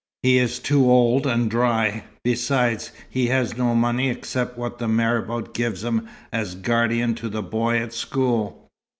He is too old and dry. Besides, he has no money except what the marabout gives him as guardian to the boy at school.